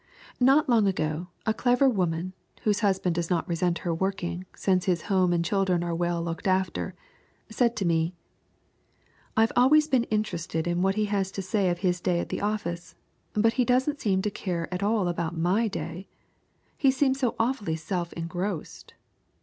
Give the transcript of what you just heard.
Not long ago a clever woman whose husband does not resent her working, since his home and children are well looked after, said to me: "I've always been interested in what he had to say of his day at the office, but he doesn't seem to care at all about my day. He seems so awfully self engrossed."